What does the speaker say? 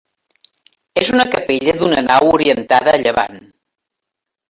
És una capella d'una nau, orientada a llevant.